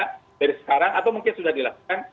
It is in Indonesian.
dari sekarang atau mungkin sudah dilakukan